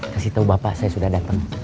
kasih tahu bapak saya sudah datang